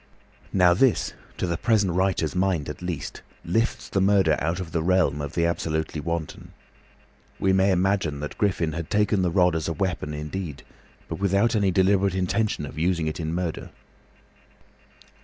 Now this, to the present writer's mind at least, lifts the murder out of the realm of the absolutely wanton. We may imagine that Griffin had taken the rod as a weapon indeed, but without any deliberate intention of using it in murder.